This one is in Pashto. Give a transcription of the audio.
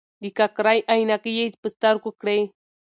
د ککرۍ عینکې یې په سترګو کړې.